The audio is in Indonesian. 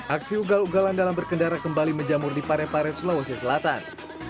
aksi ugal ugalan dalam berkendara kembali menjamur di parepare sulawesi selatan